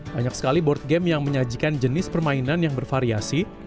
banyak sekali board game yang menyajikan jenis permainan yang bervariasi